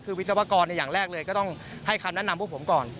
คือวิศวกรอย่างแรกเลยก็ต้องให้คำแนะนำพวกผมก่อน